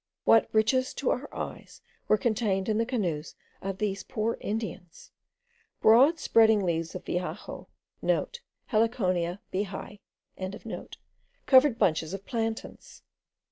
What riches to our eyes were contained in the canoes of these poor Indians! Broad spreading leaves of Vijao* (* Heliconia bihai.) covered bunches of plantains.